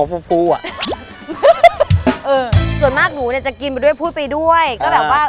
ฟูฟูอ่ะเออส่วนมากหมูเนี้ยจะกินไปด้วยพูดไปด้วยก็แบบว่า